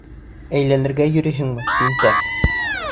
Әйләнергә йөрөйһөңмө, тинтәк?